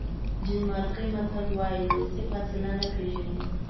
ډنمارکي متل وایي دوستي فاصله نه پیژني.